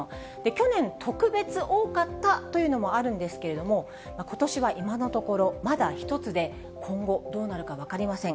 去年、特別多かったというのもあるんですけれども、ことしは今のところ、まだ１つで、今後、どうなるか分かりません。